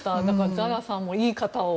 ザラさんもいい方を。